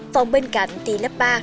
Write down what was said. phòng bên cạnh thì lớp ba